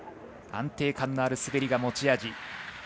安定感のある滑りが持ち味。